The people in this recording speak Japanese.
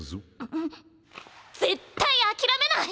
んっ！絶対諦めない！